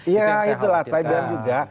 nah itulah saya bilang juga